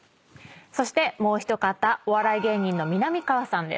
そしてもう一方お笑い芸人のみなみかわさんです。